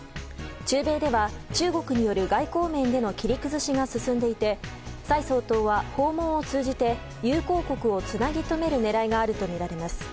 中米では中国による外交面での切り崩しが進んでいて蔡総統は訪問を通じて友好国をつなぎとめる狙いがあるとみられます。